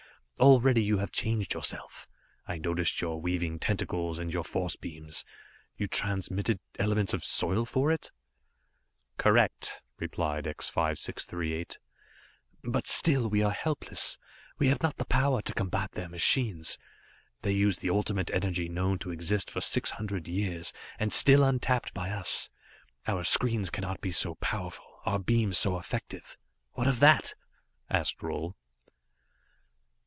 Already you have changed yourself. I noticed your weaving tentacles, and your force beams. You transmuted elements of soil for it?" "Correct," replied X 5638. "But still we are helpless. We have not the power to combat their machines. They use the Ultimate Energy known to exist for six hundred years, and still untapped by us. Our screens cannot be so powerful, our beams so effective. What of that?" asked Roal.